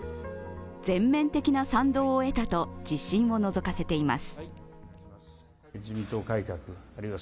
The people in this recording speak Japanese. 全面的な賛同を得たと、自信をのぞかせています。